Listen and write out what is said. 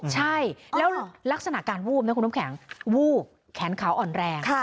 ใช่แล้วลักษณะการวูบเนี้ยคุณทมแข็งแขนเขล้าอ่อนแรงค่ะ